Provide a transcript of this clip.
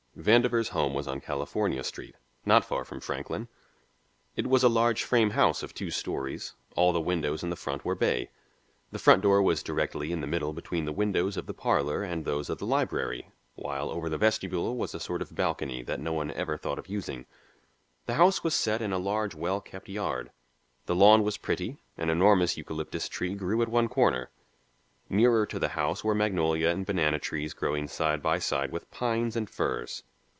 Vandover's home was on California Street not far from Franklin. It was a large frame house of two stories; all the windows in the front were bay. The front door was directly in the middle between the windows of the parlour and those of the library, while over the vestibule was a sort of balcony that no one ever thought of using. The house was set in a large well kept yard. The lawn was pretty; an enormous eucalyptus tree grew at one corner. Nearer to the house were magnolia and banana trees growing side by side with pines and firs.